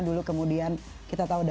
dulu kemudian kita tahu